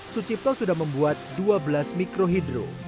sucipto sudah membuat dua belas mikro hidro